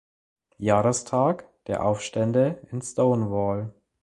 Jahrestag der Aufstände in Stonewall.